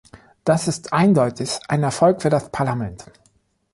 Das ist eindeutig ein Erfolg für das Parlament.